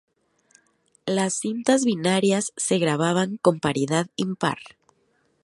Las cintas binarias se grababan con paridad impar.